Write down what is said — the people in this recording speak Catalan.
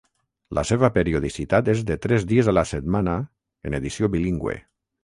La seva periodicitat és de tres dies a la setmana, en edició bilingüe.